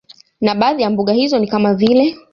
Na baadhi ya mbuga hizo ni kama vile